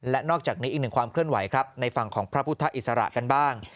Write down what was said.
และนอกจากนี้อีกหนึ่งความเคลื่อนไหวครับในฝั่งของพระพุทธอิสระกันบ้าง